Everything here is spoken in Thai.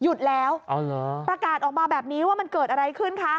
ประกาศออกมาแบบนี้ว่ามันเกิดอะไรขึ้นคะ